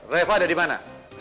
reva ada di mana